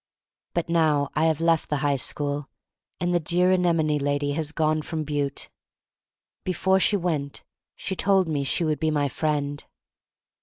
But now I have left the high school, and the dear anemone lady has gone from Butte. Before she went she told me she would be my friend.